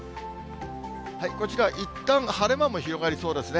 こちらはいったん晴れ間も広がりそうですね。